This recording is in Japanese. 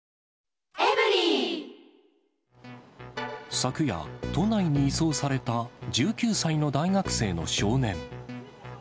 昨夜、都内に移送された１９歳の大学生の少年。